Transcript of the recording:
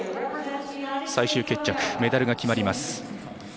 最終決着、メダルが決まります。